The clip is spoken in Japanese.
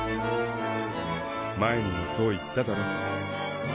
前にもそう言っただろ？